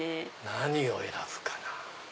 何を選ぶかな。